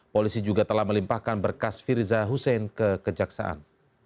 polisi juga telah melimpahkan berkas firza husein ke kejaksaan